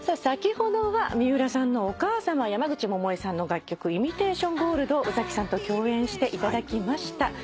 先ほどは三浦さんのお母さま山口百恵さんの楽曲『イミテイション・ゴールド』を宇崎さんと共演していただきました。